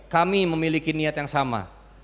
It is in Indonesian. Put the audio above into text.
sehingga serta kami memiliki niat yang sama